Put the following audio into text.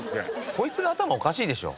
こいつが頭おかしいでしょ。